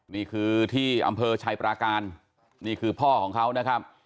นี่คือที่อำเภอชัยปราการนี่คือพ่อของเขานะครับ